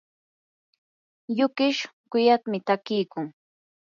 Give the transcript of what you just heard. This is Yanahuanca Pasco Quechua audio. yukish quyatimi takiykun.